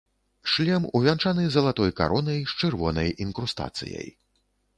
Шлем увянчаны залатой каронай з чырвонай інкрустацыяй.